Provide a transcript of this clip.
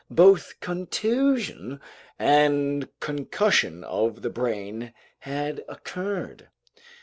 Both contusion and concussion of the brain had occurred.